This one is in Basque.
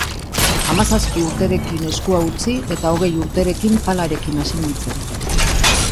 Hamazazpi urterekin eskua utzi eta hogei urterekin palarekin hasi nintzen.